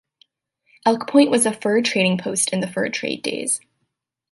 Elk Point was a fur trading post in the fur trade days.